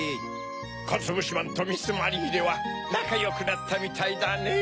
かつぶしまんとミス・マリーネはなかよくなったみたいだねぇ。